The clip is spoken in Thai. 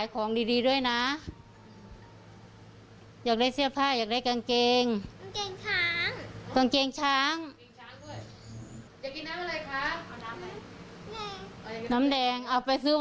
ครับ